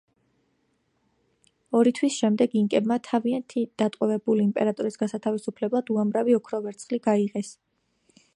ორი თვის შემდეგ, ინკებმა თავიანთ დატყვევებული იმპერატორის გასათავისუფლებლად უამრავი ოქრო-ვერცხლი გაიღეს.